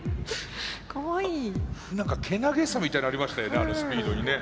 何かけなげさみたいなのありましたよね